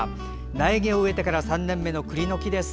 苗木を植えてから３年目のくりの木です。